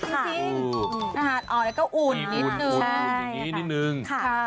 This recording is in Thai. อ๋อแล้วก็อุ่นนิดนึง